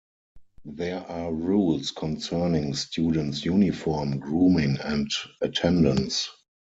There are rules concerning students' uniform, grooming and attendance.